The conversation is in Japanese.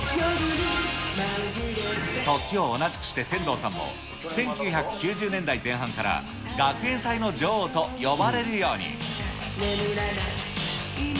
時を同じくして千堂さんも１９９０年代前半から学園祭の女王と呼ばれるように。